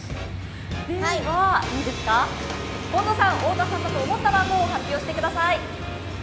近藤さん、太田さんだと思った番号を発表してください。